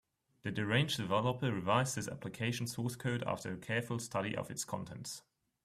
The deranged developer revised his application source code after a careful study of its contents.